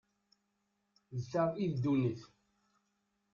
D ta i ddunit.